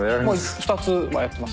２つまあやってます。